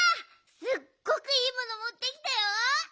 すっごくいいものもってきたよ。